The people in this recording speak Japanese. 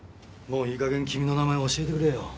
もういい加減君の名前教えてくれよ。